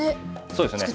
そうですね。